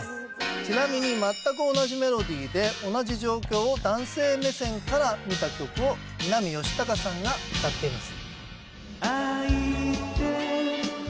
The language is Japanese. ちなみに全く同じメロディーで同じ状況を男性目線から見た曲を南佳孝さんが歌っています。